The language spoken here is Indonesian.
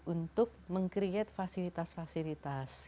untuk meng create fasilitas fasilitas